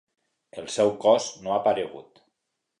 El seu cos no ha aparegut.